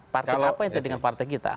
partai apa yang terjadi dengan partai kita